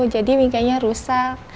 jadi bingkainya rusak